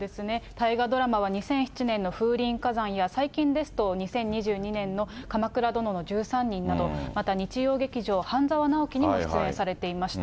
大河ドラマは２００７年の風林火山や、最近ですと、２０２２年の鎌倉殿の１３人など、また日曜劇場、半沢直樹にも出演されていました。